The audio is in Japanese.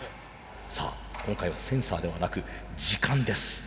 さあ今回はセンサーではなく時間です。